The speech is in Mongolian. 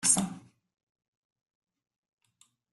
Цагаан хүмүүс биднийг олон юманд сургасан.